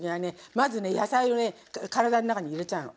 まず野菜を体の中に入れちゃうの。